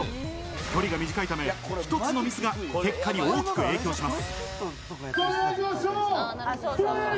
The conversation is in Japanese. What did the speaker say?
距離が短いため、一つのミスが結果に大きく影響します。